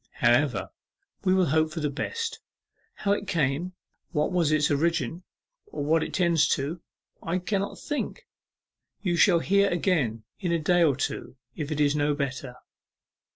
However, we will hope for the best. How it came, what was its origin, or what it tends to, I cannot think. You shall hear again in a day or two, if it is no better...